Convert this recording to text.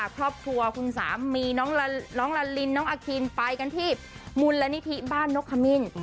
ครอบครัวคุณสามีน้องลาลินน้องอาคินไปกันที่มูลนิธิบ้านนกขมิ้น